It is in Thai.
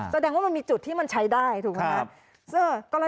แสดงว่ามันมีจุดที่มันใช้ได้ถูกไหมครับ